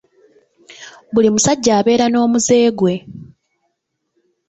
Buli musajja abeera n'omuze gwe.